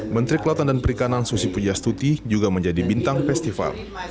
menteri kelautan dan perikanan susi pujastuti juga menjadi bintang festival